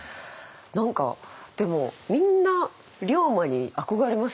何かでもみんな龍馬に憧れますよね。